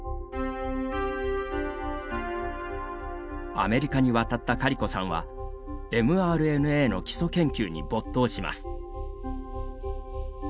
アメリカに渡ったカリコさんはｍＲＮＡの基礎研究に没頭します。